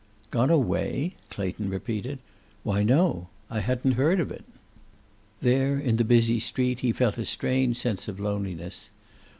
"Gone away?" Clayton repeated. "Why, no. I hadn't heard of it." There in the busy street he felt a strange sense of loneliness.